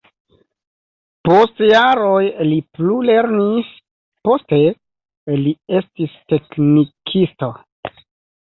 Post jaroj li plulernis, poste li estis teknikisto.